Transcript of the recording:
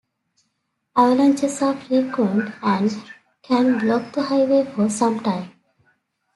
Avalanches are frequent, and can block the highway for some time.